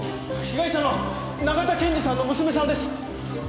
被害者の永田賢二さんの娘さんです。